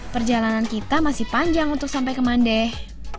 perjalanan kita masih panjang untuk sampai ke mandeh